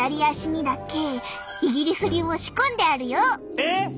えっ！